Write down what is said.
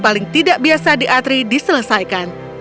paling tidak biasa di atri diselesaikan